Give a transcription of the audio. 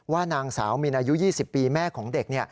ว่านางสาวมินอายุ๒๐ปีแม่ของเด็ก